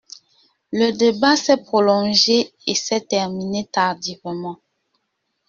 Le débat s’est prolongé et s’est terminé tardivement.